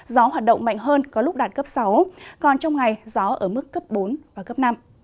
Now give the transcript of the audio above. gió hoạt động mạnh hơn có lúc đạt cấp sáu còn trong ngày gió ở mức cấp bốn năm